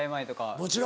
もちろん。